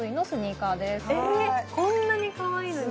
こんなにかわいいのに？